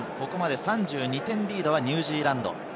３２点リードはニュージーランド。